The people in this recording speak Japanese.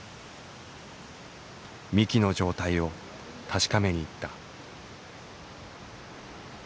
幹の状態を確かめに行った。